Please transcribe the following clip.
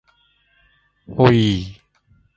おいいい